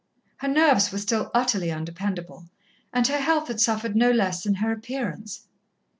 Her nerves were still utterly undependable, and her health had suffered no less than her appearance.